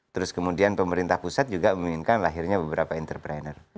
terus kemudian pemerintah pusat juga menginginkan lahirnya beberapa entrepreneur